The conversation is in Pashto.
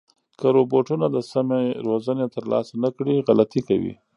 که روبوټونه د سمه روزنه ترلاسه نه کړي، غلطۍ کوي.